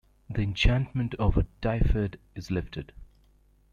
The enchantement over Dyfed is lifted.